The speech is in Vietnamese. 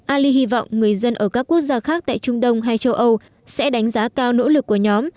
ali hy vọng người dân ở các quốc gia khác tại trung đông hay châu âu sẽ đánh giá cao nỗ lực của nhóm